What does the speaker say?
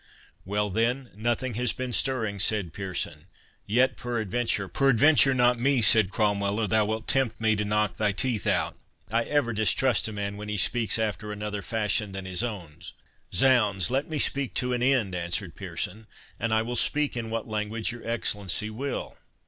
"Well then, nothing has been stirring," said Pearson.—"Yet peradventure"— "Peradventure not me," said Cromwell, "or thou wilt tempt me to knock thy teeth out. I ever distrust a man when he speaks after another fashion from his own." "Zounds! let me speak to an end," answered Pearson, "and I will speak in what language your Excellency will."